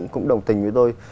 cũng đồng tình với tôi